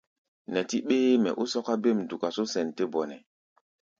Nɛtí ɓéémɛ ó sɔ́ká bêm duka só sɛn tɛ́ bɔnɛ.